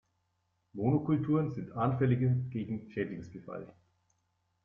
Monokulturen sind anfälliger gegen Schädlingsbefall.